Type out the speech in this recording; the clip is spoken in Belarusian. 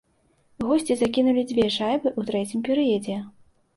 Госці закінулі дзве шайбы ў трэцім перыядзе.